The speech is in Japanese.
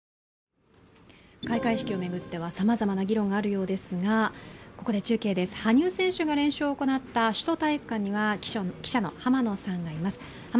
開会式を巡ってはさまざまな議論があるようですがここで中継です、羽生選手が練習を行った首都体育館には記者の濱野さんがいます。